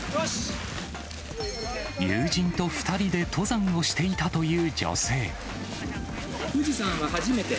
友人と２人で登山をしていた富士山は初めて？